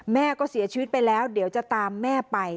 แม่ก็เสียชีวิตไปแล้วเดี๋ยวจะตามแม่ไป